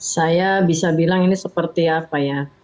saya bisa bilang ini seperti apa ya